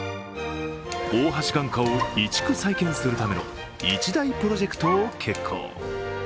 大橋眼科を移築再建するための一大プロジェクトを決行。